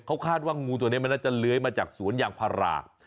เขาคาดว่างูตัวนี้มันน่าจะเลื้อยมาจากสวนยางพารา